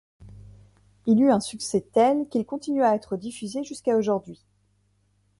Il eut un succès tel qu'il continua à être diffusé jusqu'à aujourd'hui.